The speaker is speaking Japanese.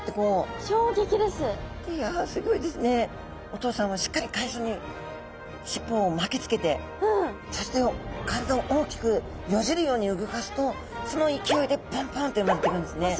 お父さんはしっかり海藻にしっぽを巻きつけてそして体を大きくよじるように動かすとその勢いでポンポンって産まれてくるんですね。